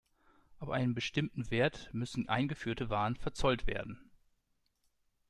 Ab einem bestimmten Wert müssen eingeführte Waren verzollt werden.